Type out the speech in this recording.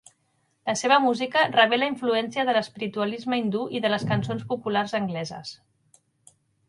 La seva música rebé la influència de l'espiritualisme hindú i de les cançons populars angleses.